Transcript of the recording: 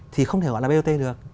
thì không thể gọi là bot được